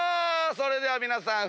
それでは皆さん